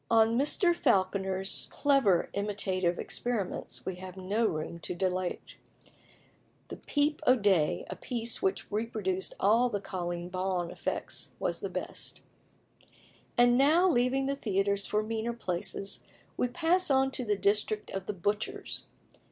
On Mr. Falconer's clever imitative experiments we have no room to dilate. The "Peep o' Day," a piece which reproduced all the "Colleen Bawn" effects, was the best. And now leaving the theatres for meaner places, we pass on to the district of the butchers.